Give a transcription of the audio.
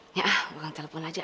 nggak ah orang telepon aja ah